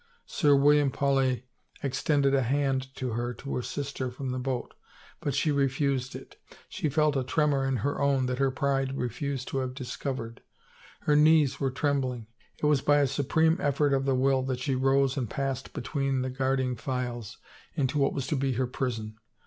Sir William Paulet extended a hand to her to assist her from the boat but she refused it; she felt a tremor in her own that her pride refused to have discovered. Her knees were trembling; it was by a supreme effort of the will that she rose and passed between the guard ing files into what was to be her prison.